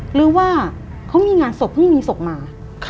หรือว่าเขามีงานศพเพิ่งมีศพมา